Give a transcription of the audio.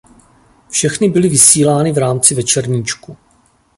Všechny byly vysílány v rámci "Večerníčku".